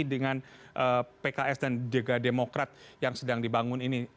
dengan pks dan juga demokrat yang sedang dibangun ini